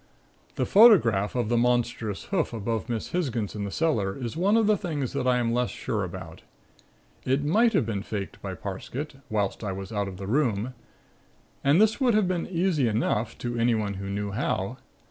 "The photograph of the monstrous hoof above Miss Hisgins in the cellar is one of the things that I am less sure about. It might have been faked by Parsket, whilst I was out of the room, and this would have been easy enough, to anyone who knew how.